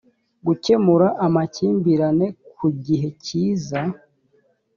gukemura amakimbirane ku gihe cyiza